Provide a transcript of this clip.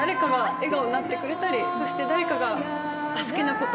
笑顔になってくれたりそして誰かが好きなこと